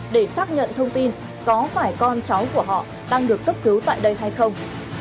để xác nhận thông tin có phải con cháu của họ đang được cấp cứu tại đây hay không